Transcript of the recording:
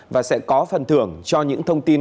và sẽ có phần thưởng cho những thông tin